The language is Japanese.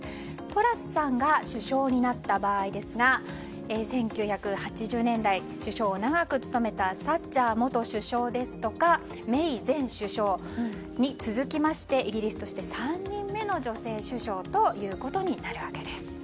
トラスさんが首相になった場合は１９８０年代、首相を長く務めたサッチャー元首相ですとかメイ前首相に続きましてイギリスとして３人目の女性首相となります。